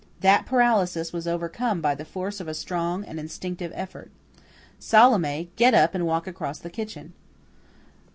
That paralysis was overcome by the force of a strong and instinctive effort. Salome, get up and walk across the kitchen."